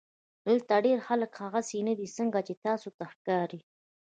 دلته ډېر خلک هغسې نۀ دي څنګه چې تاسو ته ښکاري